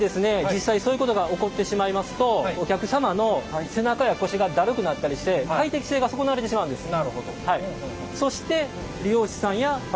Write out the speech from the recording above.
実際そういうことが起こってしまいますとお客様の背中や腰がだるくなったりして快適性が損なわれてしまうんです。